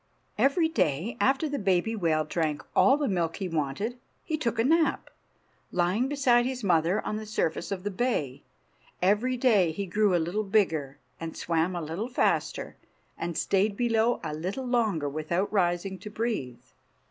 Every day, after the baby whale drank all the milk he wanted, he took a nap, lying beside his mother on the surface of the bay. Every day he grew a little bigger, and swam a little faster, and stayed below a little longer without rising to breathe.